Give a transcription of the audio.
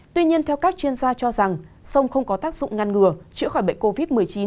tuy nhiên theo các chuyên gia cho rằng sông không có tác dụng ngăn ngừa chữa khỏi bệnh covid một mươi chín